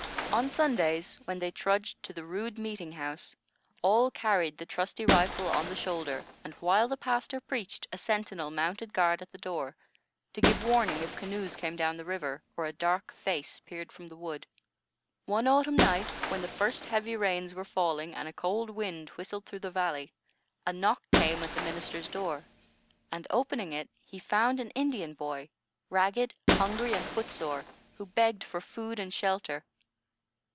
On Sundays, when they trudged to the rude meeting house, all carried the trusty rifle on the shoulder; and while the pastor preached, a sentinel mounted guard at the door, to give warning if canoes came down the river or a dark face peered from the wood. One autumn night, when the first heavy rains were falling and a cold wind whistled through the valley, a knock came at the minister's door, and, opening it, he found an Indian boy, ragged, hungry, and foot sore, who begged for food and shelter.